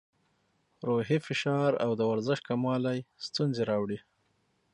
روحي فشار او د ورزش کموالی ستونزې راوړي.